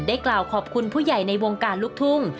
กล่าวขอบคุณผู้ใหญ่ในวงการลูกทุ่ง